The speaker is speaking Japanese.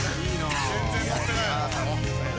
・全然ノッてない・